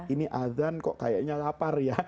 ini azan kok kayaknya lapar ya